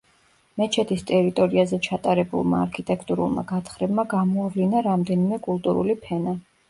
მეჩეთის ტერიტორიაზე ჩატარებულმა არქიტექტურულმა გათხრებმა გამოავლინა რამდენიმე კულტურული ფენა.